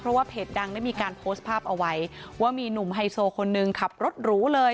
เพราะว่าเพจดังได้มีการโพสต์ภาพเอาไว้ว่ามีหนุ่มไฮโซคนหนึ่งขับรถหรูเลย